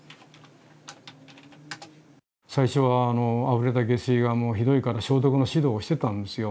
最初はあふれた下水がひどいから消毒の指導をしてたんですよ。